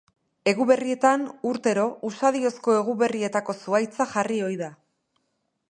Eguberrietan urtero usadiozko eguberrietako zuhaitza jarri ohi da.